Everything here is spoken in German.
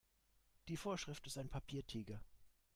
Die Vorschrift ist ein Papiertiger.